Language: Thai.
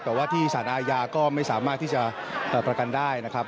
แต่ว่าที่สารอาญาก็ไม่สามารถที่จะประกันได้นะครับ